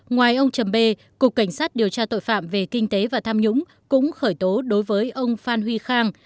ngoài ông trầm bê cục cảnh sát điều tra tội phạm về kinh tế và tham nhũng cũng khởi tố đối với ông phan huy khang